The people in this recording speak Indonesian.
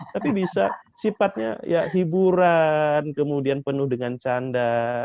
tapi bisa sifatnya ya hiburan kemudian penuh dengan canda